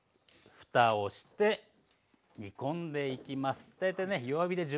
ふたをして煮込んでいきます。